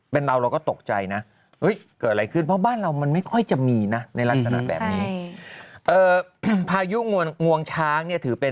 พายุงวงช้างเนี่ยถือเป็น